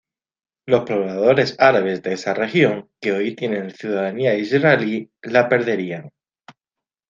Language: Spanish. Los pobladores árabes de esa región que hoy tienen ciudadanía israelí, la perderían.